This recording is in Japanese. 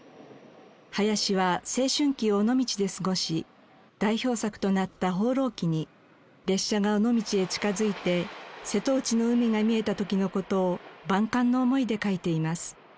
林は青春期を尾道で過ごし代表作となった『放浪記』に列車が尾道へ近づいて瀬戸内の海が見えた時の事を万感の思いで書いています。